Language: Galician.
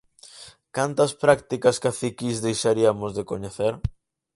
Cantas prácticas caciquís deixariamos de coñecer?